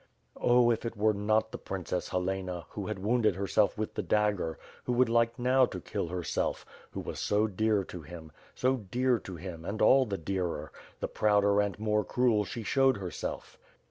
Oh, if it were not the Princess Helena, who had wounded herself with the dagger; who would like now to kill herself; who was so dear to him, so dear to him, and all the dearer, the prouder and more cruel she showed herself!